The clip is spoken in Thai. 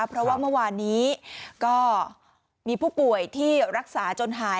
เพราะว่าเมื่อวานนี้ก็มีผู้ป่วยที่รักษาจนหาย